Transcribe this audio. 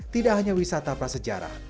tidak hanya wisata prasejarah